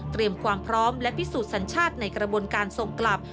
ความพร้อมและพิสูจน์สัญชาติในกระบวนการส่งกลับ